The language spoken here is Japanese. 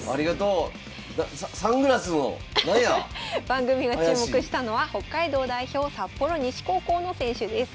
番組が注目したのは北海道代表札幌西高校の選手です。